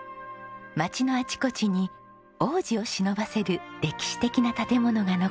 街のあちこちに往時をしのばせる歴史的な建物が残っています。